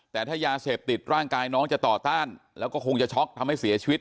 แต่ถ้ายาเสพติดร่างกายน้องจะต่อต้านแล้วก็คงจะช็อกทำให้เสียชีวิต